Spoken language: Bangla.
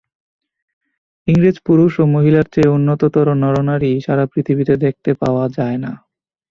ইংরেজ পুরুষ ও মহিলার চেয়ে উন্নততর নরনারী সারা পৃথিবীতে দেখতে পাওয়া যায় না।